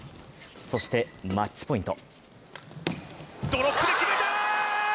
そしてマッチポイント。